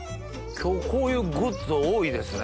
今日こういうグッズ多いですね。